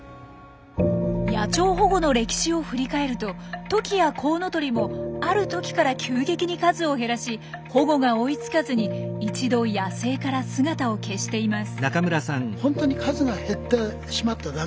野鳥保護の歴史を振り返るとトキやコウノトリもある時から急激に数を減らし保護が追いつかずに一度野生から姿を消しています。